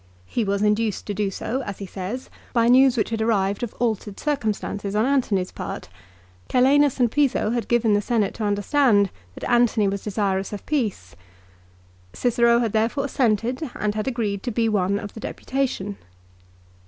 He was induced to do so, as he says, by news which had arrived of altered circumstances on Antony's part. Calenus and Piso had given the Senate to understand that Antony was desirous of peace. Cicero had therefore assented and had agreed to be one of the deputation.